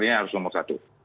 ini harus nomor satu